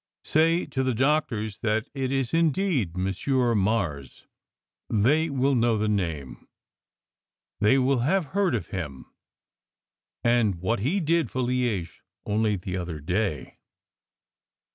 Say to the doctors that it is indeed Monsieur Mars. They will know the name. They will have heard of him, and what he did for Liege only the other day."